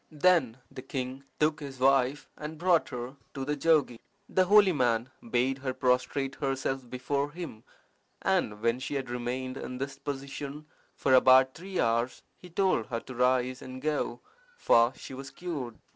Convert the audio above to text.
Then the king took his wife and brought her to the jogi. The holy man bade her prostrate herself before him, and when she had remained in this position for about three hours, he told her to rise and go, for she was cured.